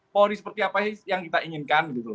polri seperti apa yang kita inginkan